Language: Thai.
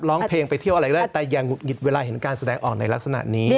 ร้องเพลงไปเที่ยวอะไรก็ได้แต่อย่างหุดหงิดเวลาเห็นการแสดงออกในลักษณะนี้